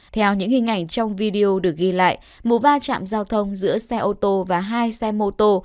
theo những hình ảnh trong video được ghi lại một va chạm giao thông giữa xe ô tô và hai xe mô tô